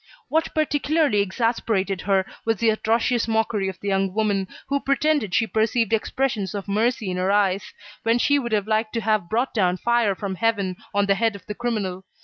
What particularly exasperated her was the atrocious mockery of the young woman, who pretended she perceived expressions of mercy in her eyes, when she would have liked to have brought down fire from heaven on the head of the criminal.